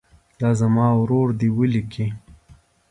دا زما ورور دی ولیکئ.